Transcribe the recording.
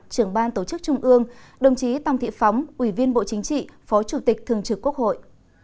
trưởng ban tổ chức trung ương đồng chí tòng thị phóng ủy viên bộ chính trị phó chủ tịch thường trực quốc hội